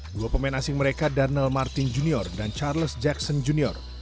dua pemain asing mereka daniel martin jr dan charles jackson jr